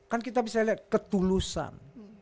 kan kita bisa lihat ketulusan